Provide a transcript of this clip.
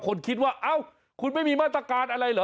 คนคิดว่าเอ้าคุณไม่มีมาตรการอะไรเหรอ